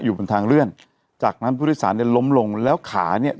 อยู่บนทางเลื่อนจากนั้นผู้โดยสารเนี่ยล้มลงแล้วขาเนี่ย